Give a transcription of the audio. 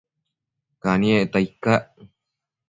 Caniecta icac?